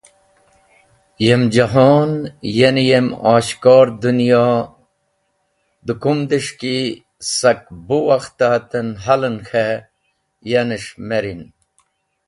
Yem jahon, ya’ni yem oshkor dũnyo dẽ kumdes̃h ki sak bu wakht-e haten halen k̃he yanes̃h merin.